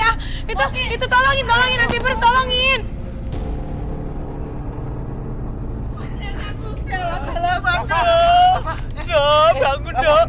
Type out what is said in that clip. aduh bangun dok